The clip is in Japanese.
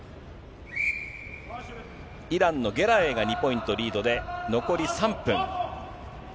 イランのゲラエイが２ポイントリードで、残り３分。